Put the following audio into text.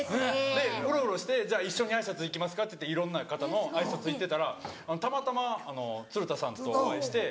でウロウロして一緒に挨拶行きますかっていっていろんな方の挨拶行ってたらたまたま鶴田さんとお会いして。